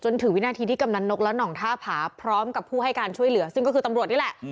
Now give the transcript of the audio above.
ถึงวินาทีที่กำนันนกและห่องท่าผาพร้อมกับผู้ให้การช่วยเหลือซึ่งก็คือตำรวจนี่แหละ